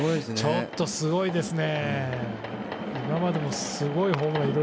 ちょっとすごいですね。